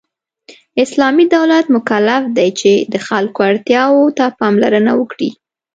اسلامی دولت مکلف دی چې د خلکو اړتیاوو ته پاملرنه وکړي .